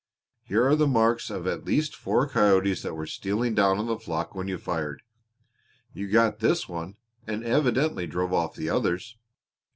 "Here are the marks of at least four coyotes that were stealing down on the flock when you fired. You got this one, and evidently drove off the others.